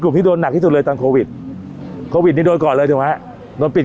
พี่โดนหนักที่สุดเลยตอนโควิดโควิดนี่โดนก่อนเลยถูกไหมโดนปิด